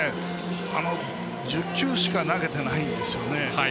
１０球しか投げてないんですよね。